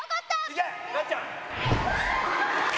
いけなっちゃん！